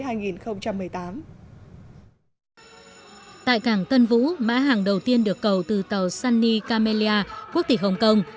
tại cảng tân vũ mã hàng đầu tiên được cầu từ tàu sunny camellia quốc tịch hồng kông